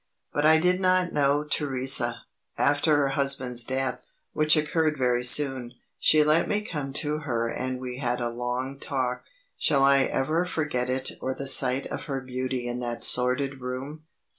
But I did not know Theresa. After her husband's death, which occurred very soon, she let me come to her and we had a long talk. Shall I ever forget it or the sight of her beauty in that sordid room?